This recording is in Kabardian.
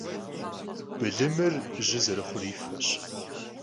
Bılımır jı zerıxhur yi feş.